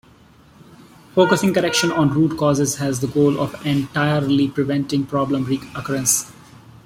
Focusing correction on root causes has the goal of entirely preventing problem recurrence.